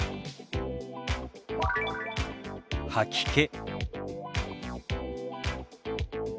「吐き気」。